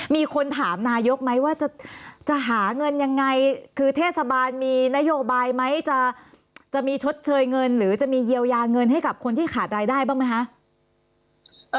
มีคนถามนายกไหมว่าจะหาเงินยังไงคือเทศบาลมีนโยบายไหมจะมีชดเชยเงินหรือจะมีเยียวยาเงินให้กับคนที่ขาดรายได้บ้างไหมคะ